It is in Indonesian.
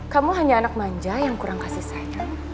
kamu hanya anak manja yang kurang kasih sayang